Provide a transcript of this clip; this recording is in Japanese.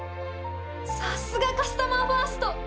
さすがカスタマーファースト！